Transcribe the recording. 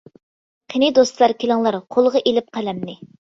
قېنى دوستلار كېلىڭلار، قولغا ئېلىپ قەلەمنى.